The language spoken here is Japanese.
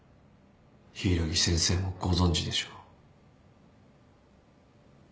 柊木先生もご存じでしょう。